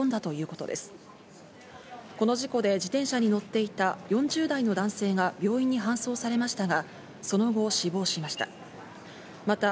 この事故で自転車に乗っていた４０代の男性が病院に搬送されましたが、その後、死亡しました。